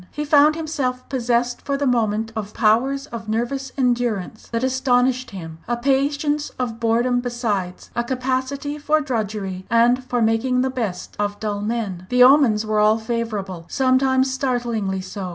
He found himself possessed for the moment of powers of nervous endurance that astonished him a patience of boredom besides, a capacity for drudgery, and for making the best of dull men. The omens were all favourable, sometimes startlingly so.